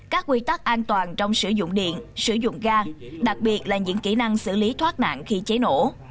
các quy tắc an toàn trong sử dụng điện sử dụng ga đặc biệt là những kỹ năng xử lý thoát nạn khi cháy nổ